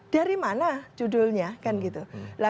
dari mana judulnya